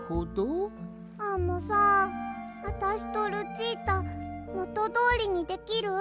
アンモさんあたしとルチータもとどおりにできる？